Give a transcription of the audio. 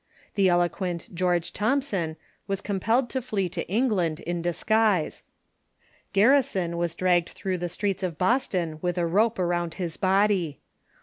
The eloquent George Thompson was compelled to liee to England in disguise. Garrison was dragged through the streets of Boston with a I'ope around his body.